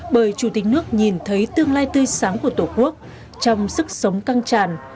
bởi chủ tịch nước nhìn thấy tương lai tươi sáng của tổ quốc trong sức sống căng tràn